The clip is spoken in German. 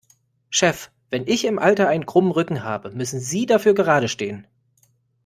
Chef, wenn ich im Alter einen krummen Rücken habe, müssen Sie dafür geradestehen.